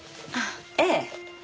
ええ。